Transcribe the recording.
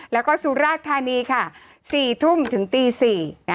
แล้วก็สุราภัณฑ์ธรรมนี๔ทุ่ม๑๕นถึงตี๔